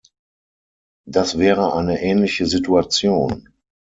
Das wäre eine ähnliche Situation.